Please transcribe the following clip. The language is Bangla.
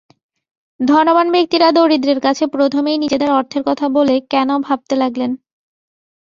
ধনবান ব্যক্তিরা দরিদ্রের কাছে প্রথমেই নিজেদের অর্থের কথা বলে কেন ভাবতে লাগলেন।